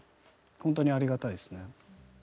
ほんとにありがたいですね。